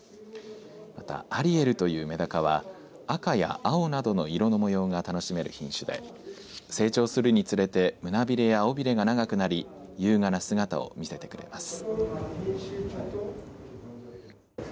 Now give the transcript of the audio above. また、アリエルというメダカは赤や青などの色の模様が楽しめる品種で成長するにつれて胸びれや尾びれが長くなり優雅な姿を見せてくれます。